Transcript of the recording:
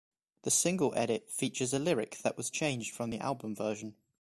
The single edit features a lyric that was changed from the album version.